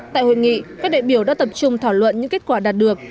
tại hội nghị các đại biểu đã tập trung thảo luận những kết quả đạt được